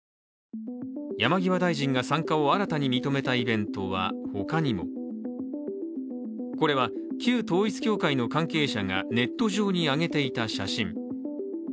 山際大臣が参加を新たに認めたイベントはほかにもこれは、旧統一教会の関係者がネット上に上げていた写真。